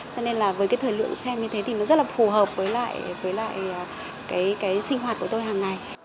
cho nên là với cái thời lượng xem như thế thì nó rất là phù hợp với lại với lại cái sinh hoạt của tôi hàng ngày